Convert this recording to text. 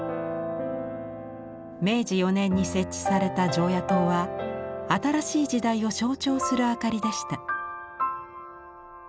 明治４年に設置された常夜灯は新しい時代を象徴する明かりでした。